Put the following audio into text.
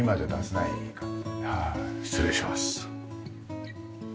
失礼します。